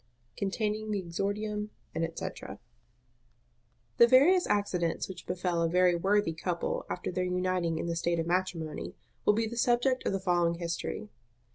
Containing the exordium, &c. The various accidents which befel a very worthy couple after their uniting in the state of matrimony will be the subject of the following history.